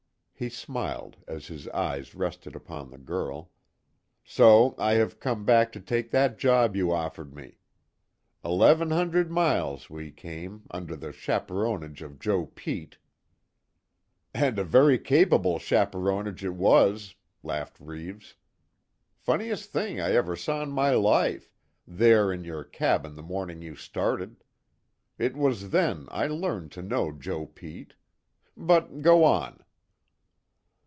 He smiled, as his eyes rested upon the girl, "So I have come back to take that job you offered me. Eleven hundred miles, we came, under the chaperonage of Joe Pete " "And a very capable chaperonage it was!" laughed Reeves, "Funniest thing I ever saw in my life there in your cabin the morning you started. It was then I learned to know Joe Pete. But, go on."